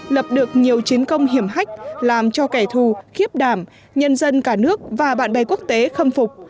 lập được nhiều chiến công hiểm hách làm cho kẻ thù khiếp đảng nhân dân cả nước và bạn bè quốc tế khâm phục